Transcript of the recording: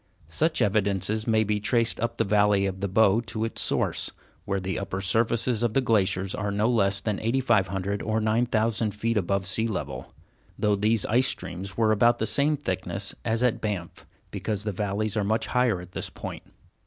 Such evidences may be traced up the valley of the Bow to its source, where the upper surfaces of the glaciers were no less than 8500 or 9000 feet above sea level, though these ice streams were about the same thickness as at Banff, because the valleys are much higher at this point.